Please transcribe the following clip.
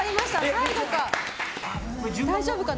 最後か、大丈夫かな。